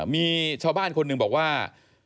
มีชาวบ้านคนหนึ่งบอกว่า